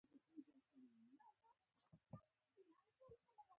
په جدي توګه غواړي.